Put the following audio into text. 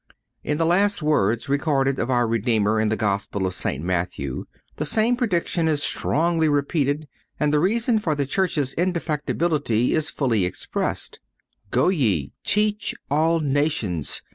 In the last words recorded of our Redeemer in the Gospel of St. Matthew the same prediction is strongly repeated, and the reason of the Church's indefectibility is fully expressed: "Go ye, teach all nations